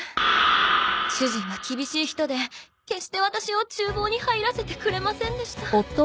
主人は厳しい人で決してワタシを厨房に入らせてくれませんでした。